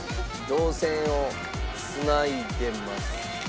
銅線を繋いでますね。